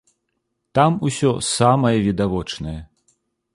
Там усё самае відавочнае.